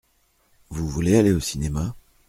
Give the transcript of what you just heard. Vous voulez aller au cinéma ?